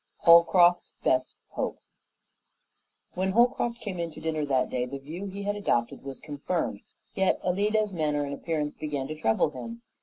Holcroft's Best Hope When Holcroft came in to dinner that day the view he had adopted was confirmed, yet Alida's manner and appearance began to trouble him.